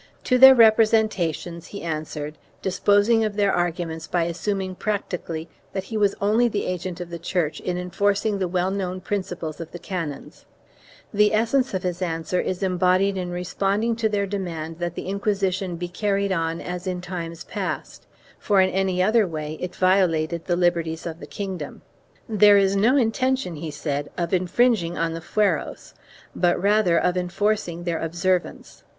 To their representations he answered, disposing of their arguments by assuming practically that he was only the agent of the Church in enforcing the well known principles of the canons. The essence of his answer is embodied in responding to 1 Zurita, Anales, Lib. xx, cap. Ixv. 2 Arch. gen. de la C. de A., Reg. 3684, fol. 28, 86. CHAP. V] RESISTANCE IN TERUEL 247 their demand that the Inquisition be carried on as in times past, for in any other way it violated the liberties of the kingdom. "There is no intention" he said "of infringing on the fueros but rather of enforcing their observance.